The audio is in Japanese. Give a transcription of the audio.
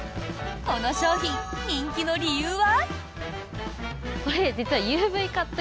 この商品、人気の理由は？